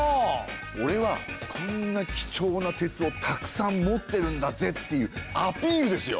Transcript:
おれはこんな貴重な鉄をたくさん持ってるんだぜっていうアピールですよ！